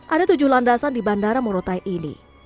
ada tujuh landasan di bandara moro taik ini